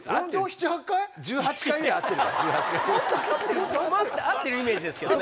もっと会ってるイメージですけどね。